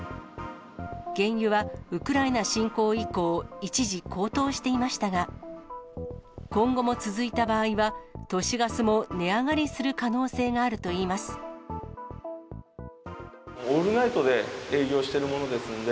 原油はウクライナ侵攻以降、一時高騰していましたが、今後も続いた場合は、都市ガスも値上がりする可能性があるといいます。